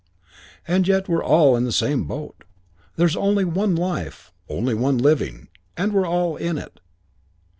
And yet we're all in the same boat. There's only one life only one living and we're all in it.